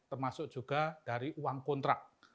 termasuk juga dari uang kontrak